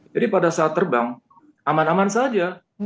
jadi pada saat terbang aman aman saja